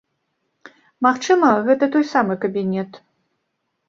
Магчыма, гэта той самы кабінет.